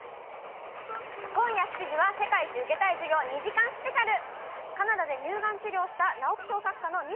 今夜７時は世界一受けたい授業２時間スペシャル。